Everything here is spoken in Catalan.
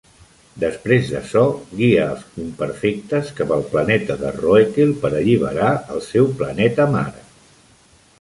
Després d'açò, guia als Imperfectes cap al Planeta de Roekel per alliberar el seu planeta mare.